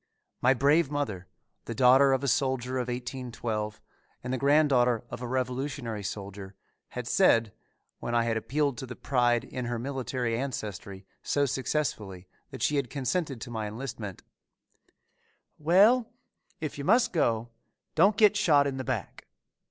My brave mother, the daughter of a soldier of 1812 and the granddaughter of a Revolutionary soldier had said, when I had appealed to the pride in her military ancestry so successfully that she had consented to my enlistment, "Well, if you must go, don't get shot in the back."